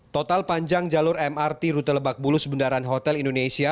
total panjang jalur mrt rute lebak bulus bundaran hotel indonesia